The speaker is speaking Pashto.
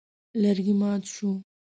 لرګی مات شو.